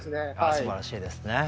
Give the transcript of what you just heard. すばらしいですね。